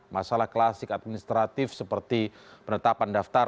masalah klasik administratif seperti penetapan daftar